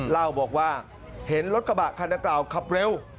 เล่าบอกว่าเห็นรถกระบะคันกล่าวขับเร็ว